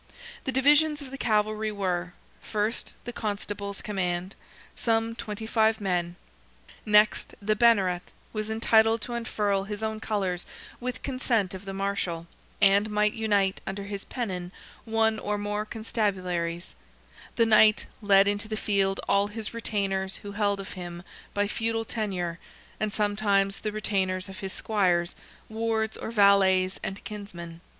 The divisions of the cavalry were: first, the Constable's command, some twenty five men; next, the Banneret was entitled to unfurl his own colours with consent of the Marshal, and might unite under his pennon one or more constabularies; the Knight led into the field all his retainers who held of him by feudal tenure, and sometimes the retainers of his squires, wards, or valets, and kinsmen.